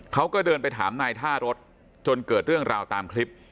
เขาก็เดินไปถามนายท่ารถจนเกิดเรื่องราวตามคลิป